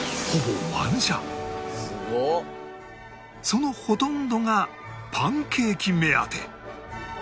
そのほとんどがパンケーキ目当て